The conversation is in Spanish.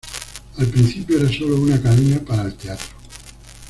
Al principio, era sólo una academia para el teatro.